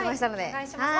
お願いします。